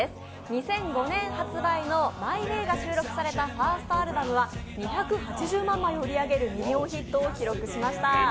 ２００５年発売の「ＭｙＷａｙ」が収録されたアルバムは２８０万枚を売り上げるミリオンヒットを記録しました。